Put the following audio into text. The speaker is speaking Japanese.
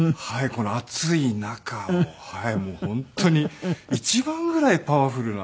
この暑い中本当に一番ぐらいパワフルな。